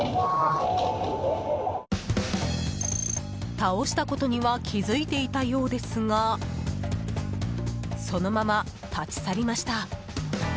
倒したことには気づいていたようですがそのまま立ち去りました。